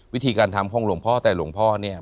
วิธีการทำของหลวงพ่อแต่หลวงพ่อเนี่ย